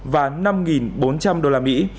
và năm bốn trăm linh đô la mỹ